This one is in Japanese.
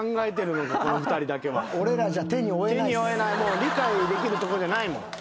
理解できるとこじゃないもん。